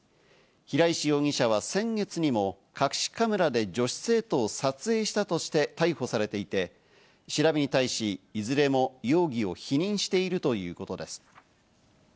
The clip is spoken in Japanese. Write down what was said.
平石容疑者は先月にも隠しカメラで女子生徒を撮影したとして逮捕されていて、調べに対し、いずれも容疑を否認しているということです。